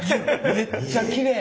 めっちゃきれい。